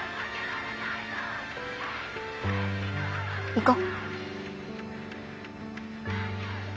行こ。